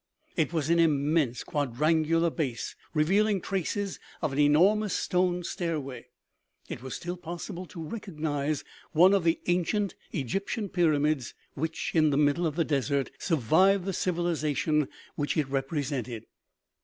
It was an immense quadrangular base, revealing traces of an enormous stone stairway. It was still possible to recognize one of the ancient Egyptian pyramids which, in the middle of the desert, survived the civilization which it represented.